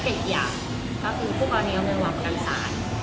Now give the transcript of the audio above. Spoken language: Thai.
เมื่อกี้กันอันที่นั้นมีจัดประงวามวางการสาร